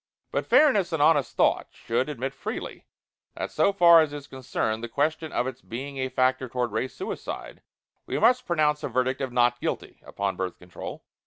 But fairness and honest thought should admit freely that so far as is concerned the question of its being a factor toward Race Suicide, we must pronounce a verdict of "Not Guilty" upon Birth Control.